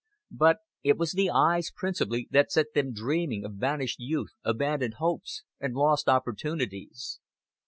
But it was the eyes principally that set them dreaming of vanished youth, abandoned hopes, and lost opportunities.